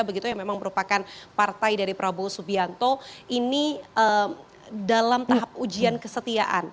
begitu yang memang merupakan partai dari prabowo subianto ini dalam tahap ujian kesetiaan